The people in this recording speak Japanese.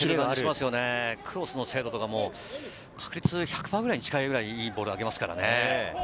クロスの精度とかも、確率１００％に近いくらい、いいボールを上げますからね。